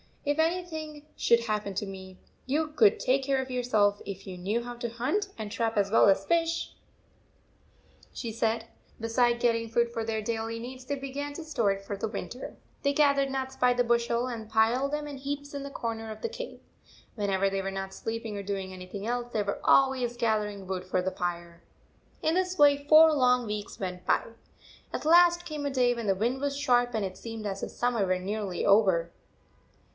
"If anything should happen to me, you could take care of yourselves if you knew how to hunt and trap as well as fish," she said. . Beside getting food for their daily needs, they began to store it for the winter. They gathered nuts by the bushel and piled them in heaps in the corner of the cave. When ever they were not sleeping or doing any thing else, they were always gathering wood for the fire. 15* In this way four long weeks went by. At last came a day when the wind was sharp, and it seemed as if summer were nearly over.